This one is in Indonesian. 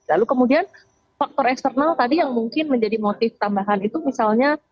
lalu kemudian faktor eksternal tadi yang mungkin menjadi motif tambahan itu misalnya